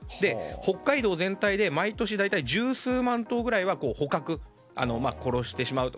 北海道全体で毎年大体十数万頭ぐらいは捕獲、殺してしまうと。